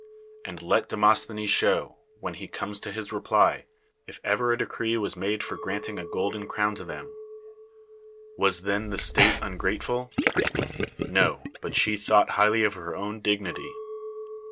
And let Demostlien.^s show. when lie eonies to liis I'eply. if ever a d^'r reo was made for ^q antine' a cro'den erown to them. Was then the state nngrateful ? Xo . but she tlionorht hitrhly of her own dip nity.